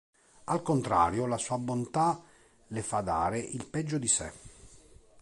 Al contrario, la sua bontà le fa dare il peggio di sé.